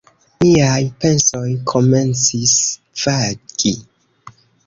Miaj pensoj komencis vagi.